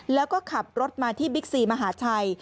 แล้วก็ขับรถมาที่บิ๊กซีมหาชัย